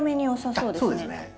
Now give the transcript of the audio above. そうですね。